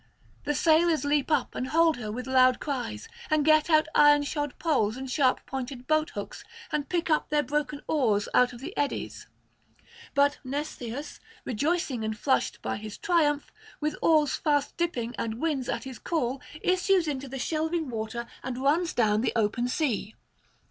The sailors leap up and hold her with loud cries, and get out iron shod poles and sharp pointed boathooks, and pick up their broken oars out of the eddies. But Mnestheus, rejoicing and flushed by his triumph, with oars fast dipping and winds at his call, issues into the shelving water and runs down the open sea.